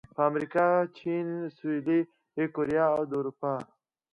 په امریکا، چین، سویلي کوریا او د اروپا